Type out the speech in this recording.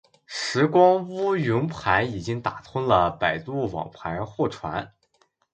拾光坞云盘已经打通了百度网盘互传